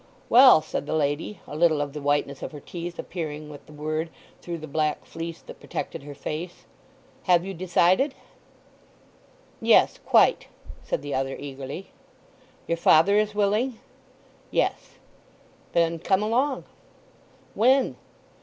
"Well," said the lady, a little of the whiteness of her teeth appearing with the word through the black fleece that protected her face, "have you decided?" "Yes, quite," said the other eagerly. "Your father is willing?" "Yes." "Then come along." "When?"